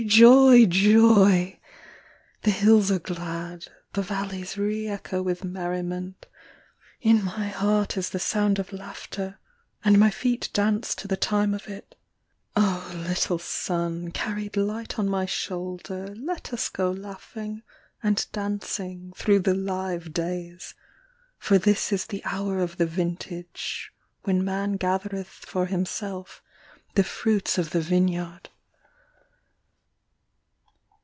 Joy! Joy! The hills are glad, The valleys re echo with merriment, In my heart is the sound of laughter, And my feet dance to the time of it; Oh, little son, carried light on my shoulder, Let us go laughing and dancing through the live days, For this is the hour of the vintage, When man gathereth for himself the fruits of the vineyard.